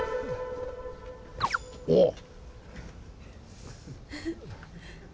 おっ！